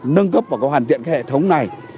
nâng cấp và hoàn thiện cái hệ thống này